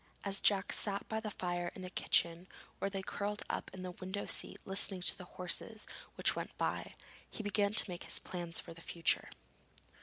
As Jack sat by the fire in the kitchen or lay curled up in the window seat listening to the horses which went by, he began to make his plans for the future.